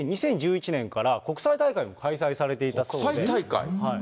２０１１年から、国際大会も開催されていたそうで。